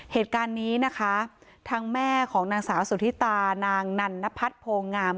เหตุการณ์นี้นะคะทางแม่ของนางสาวสุธิตานางนันนพัฒน์โพงาม